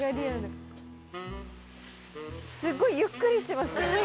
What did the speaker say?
すごいゆっくりしてますね。